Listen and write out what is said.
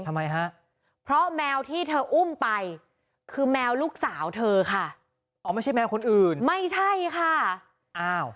ทำไมฮะเพราะแมวที่เธออุ้มไปคือแมวลูกสาวเธอค่ะอ๋อไม่ใช่แมวคนอื่นไม่ใช่ค่ะอ้าว